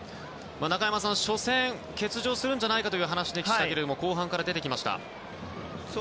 中山さん、初戦欠場するんじゃないかという話でしたが後半から出てきました。